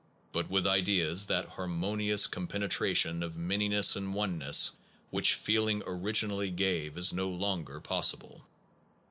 But with ideas, that harmonious compenetration of manyness in oneness which feeling originally gave is no longer possible.